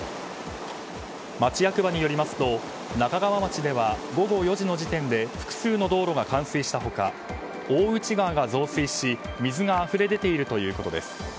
町役場によりますと那珂川町では午後４時の時点で複数の道路が冠水した他大内川が増水し、水があふれ出ているということです。